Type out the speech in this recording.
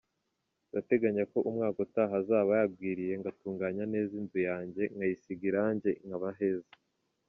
Ndateganya ko umwaka utaha azaba yagwiriye ngatunganya neza inzu yanjye nkayisiga irangi nkaba heza”.